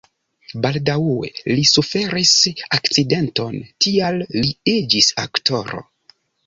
Baldaŭe li suferis akcidenton, tial li iĝis aktoro.